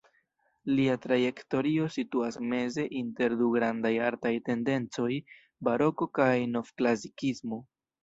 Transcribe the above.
Lia trajektorio situas meze inter du grandaj artaj tendencoj: baroko kaj novklasikismo.